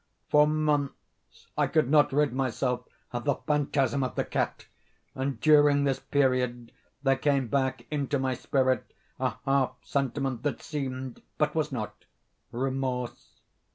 For months I could not rid myself of the phantasm of the cat; and, during this period, there came back into my spirit a half sentiment that seemed, but was not, remorse.